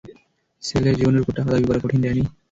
ছেলের জীবনের উপর টাকা দাবি করা কঠিন, ড্যানি।